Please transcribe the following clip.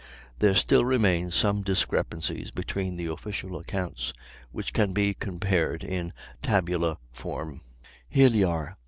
There still remain some discrepancies between the official accounts, which can be compared in tabular form: Hilyar. Porter.